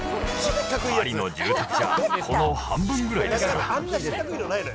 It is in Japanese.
パリの住宅じゃ、この半分ぐらいですから。